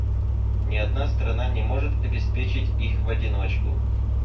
Ни одна страна не может обеспечить их в одиночку.